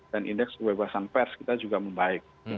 dan indeks kebebasan pers kita juga membaik